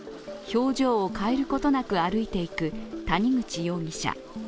表情を変えることなく歩いていく谷口容疑者。